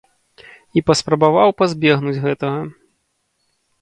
І паспрабаваў пазбегнуць гэтага.